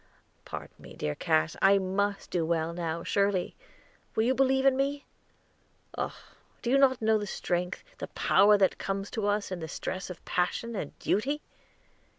"Pardon me, dear Cass. I must do well now, surely. Will you believe in me? Oh, do you not know the strength, the power, that comes to us in the stress of passion and duty?"